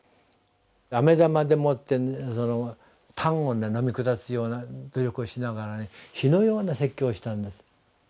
あめ玉でもってたんを飲み下すような努力をしながら火のような説教をしたんです。